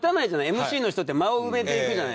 ＭＣの人って間を埋めていくじゃない。